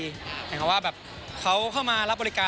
อย่างนี้ว่าแบบเขาเข้ามารับบริการ